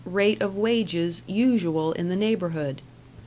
rate of wages usual in the neighbourhood.